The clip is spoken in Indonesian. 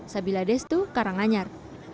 sabila destu karanganyar